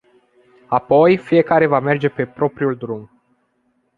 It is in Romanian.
Apoi, fiecare va merge pe propriul drum.